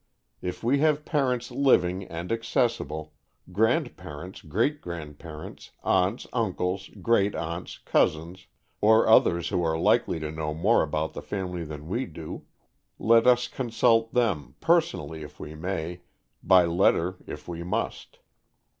If we have parents living and accessible, grandparents, great grandparents, aunts, uncles, great aunts, cousins, or others who are likely to know more about the family than we do, let us consult them, personally if we may, by letter if we must.